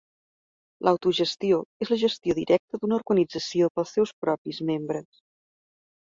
L'autogestió és la gestió directa d'una organització pels seus propis membres.